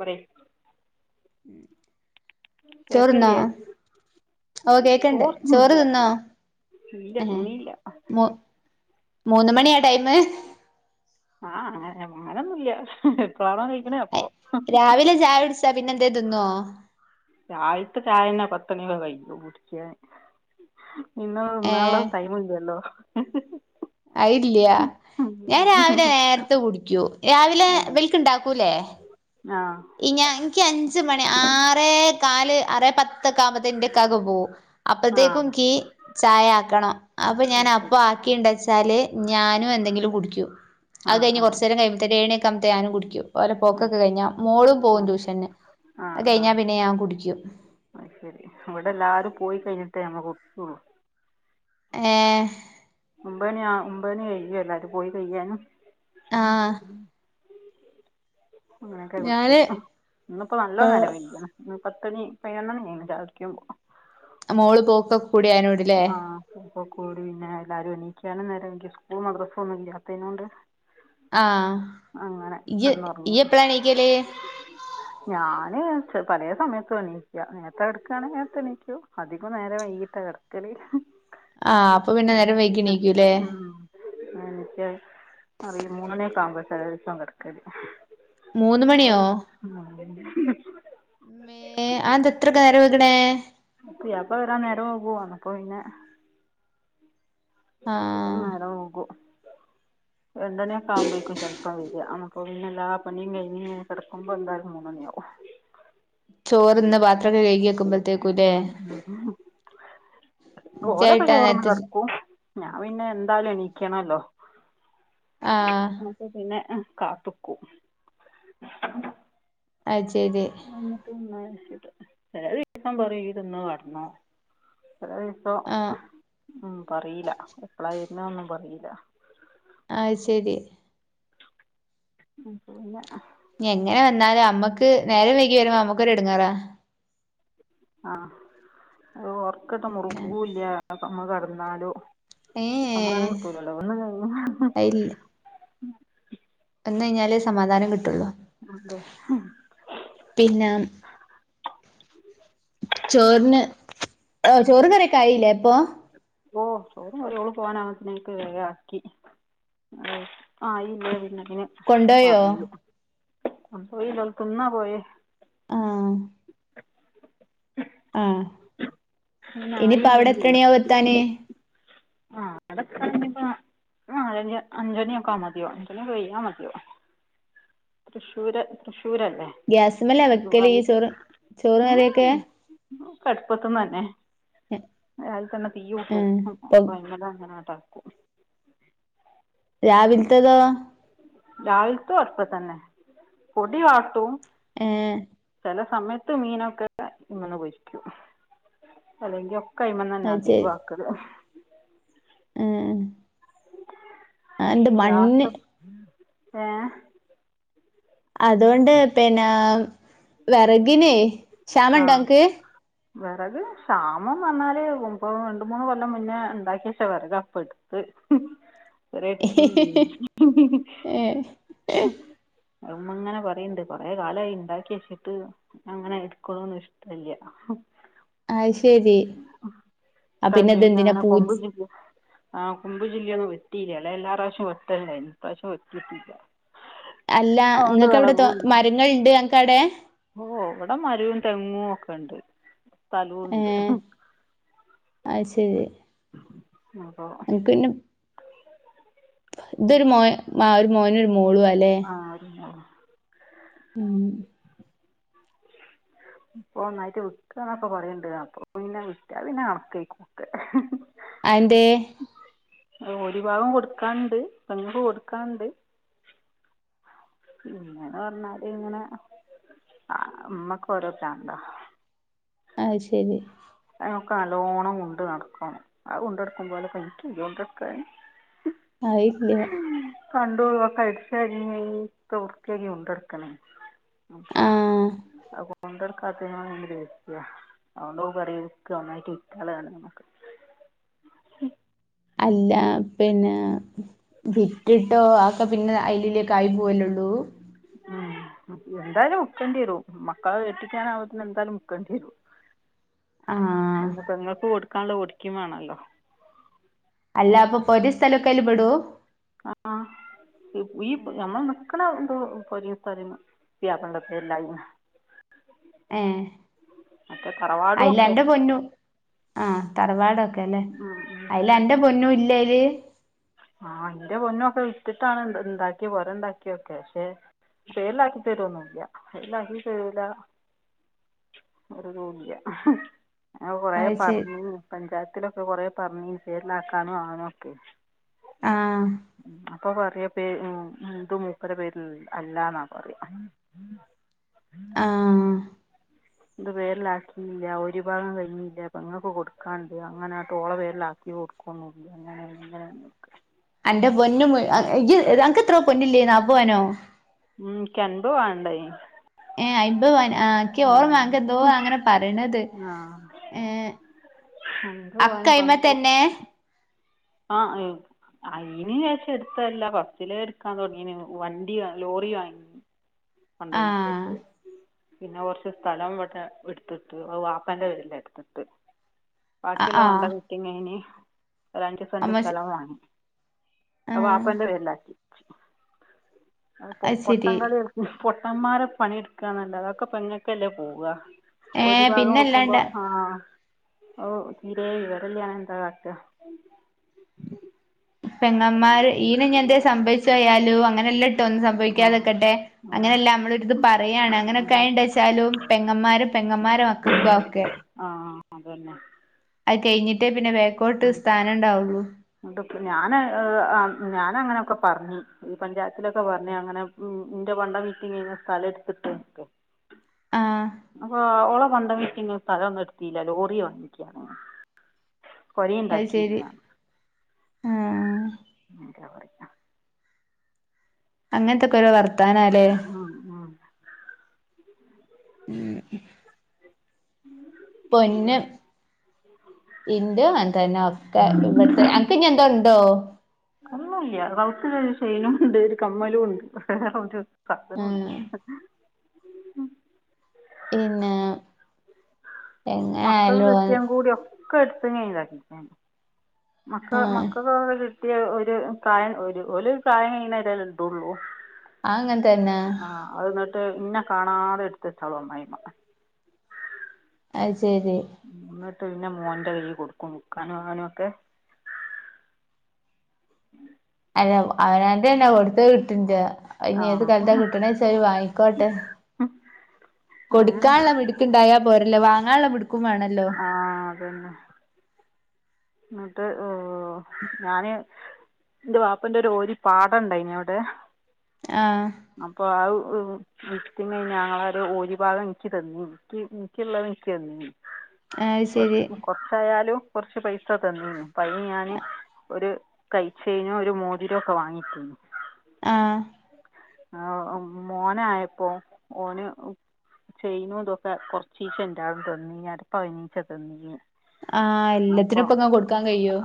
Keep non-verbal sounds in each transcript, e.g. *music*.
പറയ് ഉം കേക്കില്യ ഓഹ് കേക്കണ്ട് ചോറ് തിന്നോ ഇല്ല ഏഹ് തിന്നിയില്ല മു മൂന്ന് മണിയ ടൈമ് ആഹ് അങ്ങനെ അങ്ങനൊന്നുല്യ രാവിലെ ചായ കുടിച്ചാ പിന്നെന്തേ തിന്നോ രാവിൽത്തെ ചായനെ പത്തണിക്കെ കയ്യും ടിക്കാൻ ഇന്നാ ഏ നാള്ള ടൈമൂല്ലല്ലോ അയില്ല്യാ ഞാൻ രാവിലെ നേരത്തെ കുടിക്കും രാവിലെ ബൽക്ക്ണ്ടാക്കൂല്ലേ ആഹ് ഞ അഞ്ചു മണി ആറേകാല് ആറേ പത്തൊക്കെ ആകുമോത്തിന് ൻ്റെകാക്ക പോകും ആ അപ്പത്തേക്കും കീ ചായാക്കണം അപ്പൊ ഞാൻ അത് അപ്പ ശരി ബാക്കിണ്ടച്ചാൽ ഞാനും എന്തെങ്കിലും കുടിക്കും ആ അത് കഴിഞ്ഞി ആ കൊറച്ചേര കയ്യുമ്പോത്തിന് എഴണിക്കുമ്പോത് ഞാനും കുടിക്കും ഓലെ അത് പോക്കക്കെ ശരി കഴിഞ്ഞാൽ ഓളും ആ പോകും ട്യൂഷന് കഴിഞ്ഞാ പിന്നെ ഞാൻ കുടിക്കും ഐശരി വിടെ എല്ലാരും പോയി കഴിഞ്ഞിട്ടേ ഞമ്മ കുട്ച്ചൊള്ളു ഏഹ് ഒമ്പേണി ഒമ്പേണി കയ്യും എല്ലാരും പോയി കയ്യാൻ ആഹ് അങ്ങനൊക്കെ ഞാന് കുടിക്കിയല് ഇന്നിപ്പോ നല്ല ഏഹ് നേരം വൈകിണ് പത്തണി പതിനൊന്നണി ആയിണ് ചായടിക്കുംബം മോള് പോക്കൊ കൂടിയാനോടല്ലേ ഇ കൂടി പിന്നെ എല്ലാരും എണീക്ക നേരം എനി സ്കൂളും മദ്രസും ഒന്നുല്ലാതനോണ്ട് ആഹ് ജ് യപ്പളാഴണീക്കല് ഞാന് പലേ സമയതൊണീക്ക നേരത്തെ കടക്കാകണെങ്കി നേത്തെണീക്കും അധികം നേരെ വൈകിട്ട് കെടക്കല് ആ അപ്പൊ പിന്നെ നേരം വൈകിണീക്കൂല്ലേ എനിച്ചെ അറിയു മൂന്നണിക്കെ കിമ്പോത്തെ കെടക്കല് മൂന്ന് മണിയോ *unintelligible* ഏഹ് അതന്താത്രൊക്കെ കാരം വെകണേ പുയാപ്ല വരാൻ നേരം ബഗും അപ്പ പിന്നെ ആഹ് നേരം വകും രണ്ടണിക്കെ ആകുംമ്പ ചിലപ്പം വരാ അ പിന്നെ എല്ലാ പണിം കഴിഞി കിടക്കുമ്പോ എന്തായാലും മൂന്നണിആകും ചോറിന്ന് പത്രൊക്കെ കഴകി വെക്കും ഉം ഉം ഓലൊക്കെ ഇജ്ജായിട്ടാ ചോറൊന്ന് നേരത്തെ കടക്കും ഞാൻ പിന്നെ എന്താലും എണീക്കണല്ലോ ആഹ് *unintelligible* പിന്നെ കാത്തക്കും ആഹ് ശരി എന്നിട്ട് ചില ദിവസം പറയും ഇതൊന്ന് വടണോ ലെ ദിവസം ആഹ് ഉം പറയില്ല എപ്പോളായി ഇന്നൊന്നും പറയില്ല ആ ശരി പിന്നെ എങ്ങനെ വന്നാലു അമ്മക്ക് നേരം വൈകി വരുമ്പോ നമ്മക്കൊരു എട്ങ്ങേറ ആ അത് ഒർക്കറ്റെ മുറുകൂല്ല അമ്മ കിടന്നാലും ഏഹ് സമാധാനം കിട്ടൂലല്ലോ ഒന്നും കഴ കഴിഞ്ഞാല് സമാധാനം കിട്ടുള്ളൂ *unintelligible* പിന്നെ ചോറിന് ആ ചോറ് കറിയൊ കായില്ലേ അപ്പൊ ഓ ചോറുംഒരു എളു പോനനക്ക് ആക്കി ആ ഇല്ലേ പിന്നെതിന് കൊണ്ടോയോ പറയൂ അ പോയില്ല തിന്നാ പോയേ ആ ആ പിന്നെ ഇനിയിപ്പോ അവിടെ ആയില്ലെങ്കിൽ എത്രണിയാവും എത്താൻ ആ് അടെ എത്തണെങ്കിപ്പോ അ നാലണി അഞ്ചണിയൊക്കാമതിയാവും അഞ്ചണി കയ്യാമതിയാവും തൃശ്ശൂര് തൃശ്ശൂരല്ലേ ഗ്യാസ്മ്മലാ വെക്കൽ ഇയ്യ് ഗുരുവായൂർ ചോറ് ചോറും കറിയൊക്കെ ക്കെ അട്പ്പത്ത്ന്നന്നെ രാവിലക്കെന്നെ തീയ്യൂട്ടും ഏഹ് ഇപ്പൊ അപ്പൊ അയിമ്മൽ അങ്ങനെ ആട്ടാക്കും രാവിലത്തെതോ രാവിൽത്തതും അട്പ്പത്തെന്നെ പൊടിവാട്ടും ഏഹ് ചെല സമയത്ത് മീനൊക്കെ ഇങ്ങന്ന് പൊരിക്കും അല്ലെങ്കി ഒക്കെ അയിമ്മന്നെന്നെ അത് അധികും ആക്കൽ ഏ മണ്ണ് ഗ്യാസ് ഏ അതുകൊണ്ട് പിന്നെ വിറകിനെ ക്ഷാമം ആ ഉണ്ടോ ഇങ്ങക്ക് വിറക് ക്ഷാമംന്ന്പറഞ്ഞാല് ഇപ്പോ രണ്ട് മൂന്ന് കൊല്ലം മുന്നേ ഉണ്ടാക്കിയച്ചാ വിറകാ ഇപ്പം ഇട് കൊറേ ഇട്ത്തീല്ലെനി ഏഹ് അത് ഇമ്മ ഇങ്ങനെ പറയണ്ട് കുറെ കാലായി ഇണ്ടാക്കിയെച് ച്ച്ട്ട് അങ്ങനെ എടുക്ക്ണൊന്നും ഇഷ്ടല്ല ആഹ് ശരി ആ പിന്നെ ഇപ്രാവശ്യം അതെന്തിനാ അങ്ങനെ പൂ കൊമ്പും ചില്ലി ആ കൊമ്പും ചില്ലിം ഒന്നും വെട്ടില്ല ലെ എല്ലാറാശ്യവും വെട്ടൽണ്ടെയ്നി ഇപ്രാവശ്യം വെട്ടില്ല അല്ല ഇങ്ങൾക്ക് അവിടെ തോ മരങ്ങൾണ്ട് ഇങ്ങക്ക് അവിടെ ഓ ഇവിടെ മരവും തെങ്ങും ഒക്കെ ഉണ്ട് സ്ഥലവും ഏ ഉണ്ട് അത് ശരി അപ്പൊ അത് പിന്നെ ഇതൊരു മോ ആ ഒരു മോനൊരു മോളും അല്ലേ ആ ഉം ഇപ്പൊ ഒന്നായിട്ട് വിക്കാ എന്നൊക്കെ പറയണ്ട് അപ്പൊ പിന്നെ വിറ്റ പിന്നെ കണക്കയിക്കാരം അതെന്തേ അത് ഓരി ഭാഗം കൊടുക്കാണ്ട് പെങ്ങൾക്ക് കൊടുക്കാണ്ട് ഇങ്ങനെ പറഞ്ഞാല് ഇങ്ങനെ അ ഇമ്മക്ക് ഓരോ ഭ്രാന്താ ആയ് ശരി അതിനൊക്കെ നല്ലോണം കൊണ്ട് നടക്കും അത് കൊണ്ടടുക്കും പോലൊക്കെ ഇൻക്ക് കയ്യോ കൊണ്ടട്ക്കാൻ അത് ഇല്ല്യ കണ്ടം മുഴുവൻ ഒക്കെ അടിച്ചുവാരി വൃത്തിയാക്കി കൊണ്ടെടുക്കണം അപ്പ ആഹ് അത് കൊണ്ടട്ക്കാത്തതിന് വാണെങ്കിലെ ദേശ്യാ അതോണ്ടത് പറിം ക്കാ ഒന്നായിട്ട് വിറ്റ് കളയാന്നൊക്കെ അല്ല പിന്നെ വിറ്റിട്ടോ അതൊക്കെ പിന്നെ അയിലുള്ളിക്ക് ആയി പോവല്ലേയുള്ളൂ ഉം എന്തായാലും വിക്കേണ്ടി വെരും മക്കളെ കെട്ടിക്കാനാവുമ്പോത്തിനും എന്തായാലും വിക്കേണ്ടി വരും ആഹ് പെങ്ങൾക്ക് കൊടുക്കാനുള്ളെ കൊടുക്കേം വേണല്ലോ അല്ല അപ്പൊ പൊരിം സ്ഥലമൊക്കെ അയിൽ പെടും ആ ഈ നമ്മൾ നിക്കണ എന്തോ പൊരിം സ്ഥലും പുയ്യാപ്പളന്റെ പേരിലായിന് ഏഹ് മറ്റേ അയില് തറവാടുവൊക്കെ അന്റെ പൊന്നു ആഹ് തറവാടൊക്കെ അല്ലെ ഉം ഉം അതിൽ അന്റെ പൊന്നും ഇല്ലേ അയില് ആഹ് അന്റെ പൊന്നും ഒക്കെ വിറ്റിട്ടാണ് ഇണ്ടാക്കി പൊരണ്ടാക്കിയൊക്കെ പക്ഷെ പേരിലാക്കി തരോന്നൂല്ല പേരിലാക്കി തരൂല ഒര്തൂല്ല്യ ആ കൊറെ അത് ശരി പറഞ്ഞു പഞ്ചായത്തിലൊക്കെ കൊറെ പറഞ്ഞി പേരിലാക്കാന്നും അങ്ങനൊക്കെ ആഹ് *unintelligible* ഇപ്പൊപറയാ പേ ഇത് മൂപ്പരെ പേരിലല്ലാന്നാ പറയാ ആഹ് ഇത് പേരിലാക്കിയില്ല ഒരു ഭാഗം കഴിഞ്ഞില്ല പെങ്ങക്ക്‌ കൊടുക്കാന് ണ്ട് അങ്ങന ആട്ടോളെ പേരിലാക്കി കൊടുക്കൊന്നുല്ല അങ്ങനെയങ്ങനെ അന്റ പൊന്ന് മുയു അനക്ക് ഇത്രോ പൊന്നില്ലേന്ന് അറ്പത് പവനോ മ് എനിക്കെൺപത് പവനുണ്ടായി ഏഹ് എൺപത് പവനാ എനിക്കോർമ്മ എനിക്കെന്തോ അങ്ങനെ പറയണത് ആ ഏഹ് അൻപത് പവന് അക്കയ്മതന്നെ ആഹ് അയിന് വച്ചെടുത്തല്ല ഫസ്റ്റിലേ എടുക്കാൻ തൊടങ്ങിന് വണ്ടി ലോറിവാങ്ങി ണ്ട് ആഹ് വിറ്റൊര്ക്കായ് പിന്നെ കൊറച്ച് സ്ഥലം ഇവിടെ എടുത്തിട്ട് അത് വാപ്പാന്റ പേരില് എടുത്തിട്ട് ആഹ് ബാക്കിയുള്ള ആഹ് വേണ്ടാവെക്ക്‌ണേന് ഒരഞ്ച് സെന്റ് അമ്മ സ്ഥലംവാങ്ങി അത് ആഹ് പാപ്പാന്റെ പേരിലാക്കി അത് പൊട്ടങ്കളി പൊട്ടമ്മാരെ പണിയെട്ക്കാന്നല്ലാതെ അതൊക്കെ പെങ്ങക്കല്ലേ പോവുക ഒരു ഏഹ് ഭാഗം പിന്നല്ലാണ്ട നോക്കുമ്പൊ ആഹ് ഓഹ് തീരെ വിവരില്ല്യാന്നാ എന്താ കാട്ടാ പെങ്ങമാര് ഈനിഞ്ഞെന്തേ സംഭവിച്ചോയാലും അങ്ങനല്ലേട്ടു ഒന്നും ആ സംഭവിക്കാതിരിക്കട്ടെ ആ അങ്ങനെയല്ലാ നമ്മളൊരിത് പറയാണ് അത് അങ്ങനൊക്കായെണ്ടെച്ചാലും പെങ്ങമ്മാരും പെങ്ങമ്മാരെ മക്കക്കുവാക്കെ ആഹ് അതന്നെ അത് കയിഞ്ഞിട്ടേ പിന്നെ ബേക്കോട്ട് സ്ഥാനമുണ്ടാവുള്ളു ഇന്നട്ടിപ്പൊ ഞാന് ഏഹ് ഞാനുങ്ങനൊക്കെ പറഞ്ഞു ഈ പഞ്ചായത്തിലൊക്കെ ക്കെ പറഞ്ഞേ അങ്ങനെ ഇന്റെ പണ്ടം വിറ്റ് ഇങ്ങ സ്ഥലെട്ത്ത്ട്ട്ക്ക്‌ ആഹ് അപ്പൊ ഓള പണ്ടം വിറ്റ് ഇങ്ങ സ്ഥലൊന്നും എടുത്തില്ല ലോറി വാങ്ങിക്കാണ് അത് കൊറേണ്ടാക്കിയില്ല ശരി ആഹ് എന്താ പറയാ അങ്ങനത്തെക്കോരോ വർത്താനാലേ മ്ഹ് മ്ഹ് ഉം മ് പൊന്ന് ഇന്റേം അങ്ങനത്തന്നൊക്കെ ഇവ്ടുത്തെ ഇനിയെന്താണ്ടോ ഒന്നുല്ല കൗത്തിലൊരു ചേനുമുണ്ട് ഒരു കമ്മലുണ്ട് വേറൊരു സാധനുല്ല ആഹ് പിന്നെ എങ്ങനായലും അത് കുഴപ്പളില്ലാക്കിക്കാണ് മക്ക ആഹ് മക്കക്കോലൊരു ക്കെ ഒരു പ്രായം ഒരു ഒരു പ്രായം കയിണവേരെയല്ലേ ഇത്ടുള്ളൂ അതങ്ങനെതന്നെ ആ അതെന്നിട്ട് ഇന്നെ കാണാതെടുത്തച്ചാളമ്മായമ്മ അയ്ശെരി ന്ന്ട്ട്പിന്നെ മോന്റെ കയ്യി കൊടുക്കും വിക്കാനും വാങ്ങാനും ഒക്കെ അല്ല അവനവന്റെയെന്നെ കൊട്ത് കുട്ടിന്റെ ആ ഇനി ഏത് കാലത്താ കിട്ട്ണെച്ചാ ഇനി വാങ്ങിക്കോട്ടെ അ കൊടുക്കാന്ള്ള മിട്ക്ക്‌ണ്ടായാ പോരല്ലോ വാങ്ങാന്ള്ള മിട്ക്കും വേണം ആ അതന്നെ ന്നിട്ട് ഞാന് എന്റെ വാപ്പന്റൊരു ഓഹരി പാടണ്ടായിനി അവ്ടെ ആഹ് അപ്പൊ ആഹ് ഉം നിക്ക് ഞങ്ങളാരു ഓരിഭാഗം എനിക്ക് തന്നി എനിക്ക് എനിക്കുള്ളത് എനിക്ക് തന്നി അത് ശരി കൊറച്ചായാലും കൊറച്ച് പൈസ തന്നീനു പ്പ അതിന് ഞാന് ഒരു കൈച്ചേനോ ഒരു മോതിരം ഒക്കെ വാങ്ങിച്ചു. ആഹ് ആഹ് മോനായപ്പോ ഓന് ചെയ്നോ ഇതൊക്കെ കൊറച്ചീച്ച ണ്ടാവും തന്നിര പനീച്ച തന്നി ആഹ് എല്ലാത്തിനും ഇപ്പങ്ങ് കൊടുക്കാൻ കഴിയോ?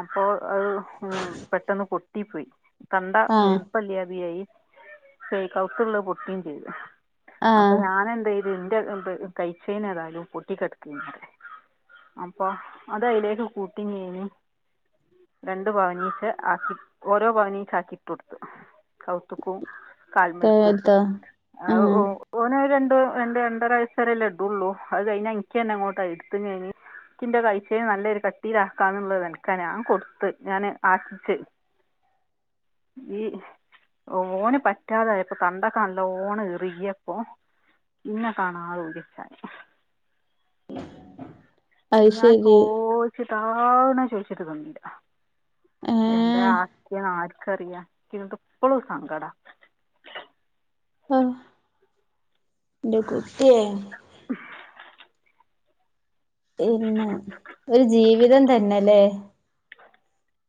അപ്പോ അത് പെട്ടന്ന് പൊട്ടിപ്പോയി കണ്ട ആഹ് വലുപ്പല്ല *unintelligible* പൊട്ടിയേം ചെയ്ത് അപ്പൊ ആഹ് ഞാൻ എന്ത്ചെയ്യു ഇതിന്റെ ഇത് കൈച്ചേന് ഏതായാലും പൊട്ടി കിടക്കുന്ന് അപ്പൊ അത് അതിലേക്ക് കൂട്ടിങ്ങീനി രണ്ട് പവനീച്ച ആക്കി ഓരോ പവനീച്ച് ആക്കി ഇട്ട് കൊടുത്തു കൗത്ത്ക്കും കാൽമൾക്കും കേട്ടോ ആഹ് ഓ ഓന് ഒരു രണ്ടോ രണ്ട് രണ്ടര വയസ് വരെല്ലേ ഇടുള്ളു അത് കഴിഞ്ഞാ എനിക്ക് തന്നെ അങ്ങോട്ട് എടുത്ത് കഴിഞ്ഞ് ക്കിന്റെ ലൈഫിന് നല്ലൊരു കട്ടിയില് ആക്കാന്നുള്ളത് എനക്ക് ഞാൻ കൊടുത്ത് ഞാന് ആശിച്ച് *inaudible* ഈട് ഓന് പറ്റാതായപ്പൊ പണ്ടൊക്കെ നല്ലോണ്റിക്യപ്പൊ ഇന്നെ കാണാ ആളോടിച്ചാണ് അത് ഞാൻ ശരി ചോദിച്ചിട്ടാണ് ചോദിച്ചിട്ട് തന്നില്ല ആഹ് എന്താ ആക്ക്യേന്ന് ആർക്കറിയാം എനികിതൊക്കെ ഇപ്പളും സങ്കടാ ന്റ കുട്ടിയെ ഉം പിന്നെ ഒരു ജീവിതം തന്നെല്ലേ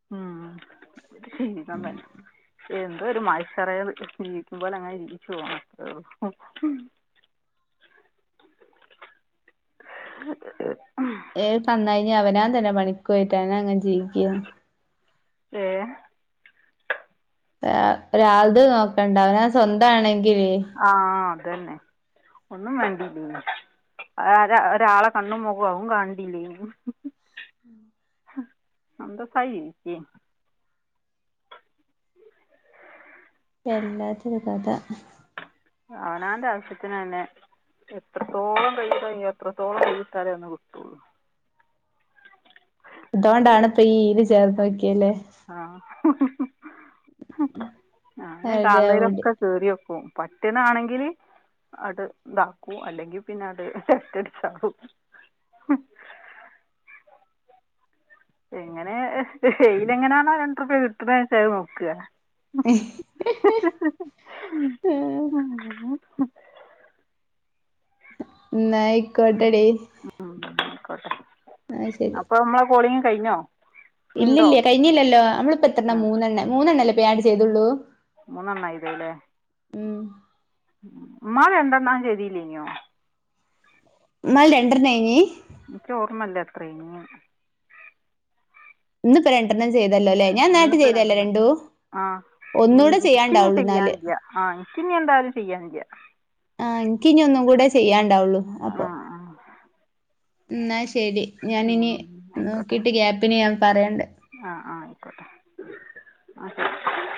*inaudible* ശ ത *unintelligible* എന്തോ ഒരു മഴച്ചറയത് ജീവിക്കുമ്പോല അങ്ങനെ ജീവച്ചു പോണംത്രേള്ളൂ *unintelligible* ഏ തന്ന് കഴിഞ്ഞ് അവനവൻ തന്നെ പണിക്ക് പോയിട്ടെ അങ്ങനെ ജീവിക്കണെ ഏഹ് ഒ അത് നോക്കണ്ട അവനവൻ സ്വന്തം ആണെങ്കിലേ ആഹ് അതന്നെ ഒന്നും വേണ്ടില്ലിത് ഒരാ ഒരാളെ കണ്ണും മുഖവും അവും കണ്ടില്ലേനു അന്തസായി ജീവിക്ക്യാ വല്ലാത്തൊരു കഥ അവനവന്റെ ആവശ്യത്തിന് തന്നെ എത്രത്തോളം കൈ കഴഞ്ഞോ എത്രത്തോളം കുഴി ഇട്ടാലേ ഒന്ന് കുത്തുവോള്ളൂ തോണ്ടാണ് പ്പ യ്യീന് ചേർന്നോക്കിയ്ല്ലേ ആഹ് ഹു ഹു ഹു *inaudible* ഞാന് അവിടെവിടെ കാൺന്നേലൊക്ക കേറിയോക്കു പറ്റ്ണാണെങ്കില് ആട്ട് താക്കൂ അല്ലെങ്കി പിന്നാട്ട് ലഫ്റ്റടിച്ചാളു എങ്ങനെ എയിലങ്ങനാണോ രണ്ട്രുപ്യ കിട്ട്ണച്ചാഅ്നോക്ക എഹ് ഹ് ഹ് ഹ് ഹ് ന്നായിക്കോട്ടെഡി ഉ ഉ ക്കോട്ടെ അപ്പൊ മ്മള കോളിങ്ങ് കയിഞ്ഞോ? ഇല്ലല്ല്യ കയിഞ്ഞീല്ലല്ലോ അമ്മള്പ്പ ത്രണ്ണ ആ മൂന്നെണ്ണ മൂന്നെണ്ണല്ലെ പെ ആഡ് ചെയ്തുള്ളൂ മൂന്നണ്ണ എയ്തല്ലേ ഉം മ്മാള് രണ്ടെണ്ണം ചെയ്തീല്ലേയ്നോ ന്നാൾ രണ്ട്രണ്ണയിനി? ന്ക്കോർമ്മല്ലെത്രയ് നൂന്ന് ന്ന് പ്പൊ രണ്ടെണ്ണം ചെയ്തല്ലോല്ലേ ഞാന്നേരത്തെ ചെയ്തല്ലേ രണ്ടൂ ആഹ് ൻക്കിന്നി ചെയ്യാൻ എന്നാല് യ്യ ആഹ് നിക്കിന്നി ന്തായാലും ചെയ്യാൻ യ്യ ആഹ് ൻക്കിനി ഒന്നും കൂടെ ചെയ്യാൻണ്ടാവുള്ളു അ ആ ആഹ് ന്നാ ശരി ഞാനിനി നോക്കിട്ട് ഗ്യാപ്പിന് ഞാം പറയണ്ട് ആഹ് ആയിക്കോട്ടെ *inaudible*